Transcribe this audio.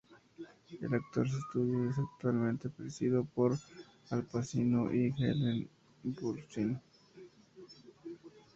El Actors Studio es actualmente presidido por Al Pacino y Ellen Burstyn.